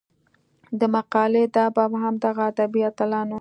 د مقالې دا باب هم دغه ادبي اتلانو